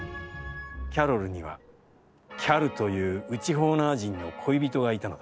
キャロルにはキャルという、内ホーナー人の恋人がいたのだ。